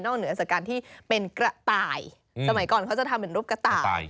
เหนือจากการที่เป็นกระต่ายสมัยก่อนเขาจะทำเป็นรูปกระต่าย